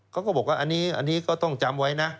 เขาก็บอกว่าอันนี้ก็ต้องจำไว้นะ